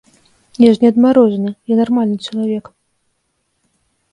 Я ж не адмарожаны, я нармальны чалавек.